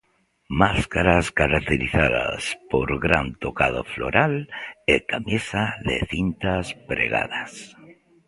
Máscaras caracterizadas polo gran tocado floral e camisa de cintas pregadas.